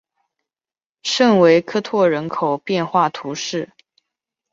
圣维克托人口变化图示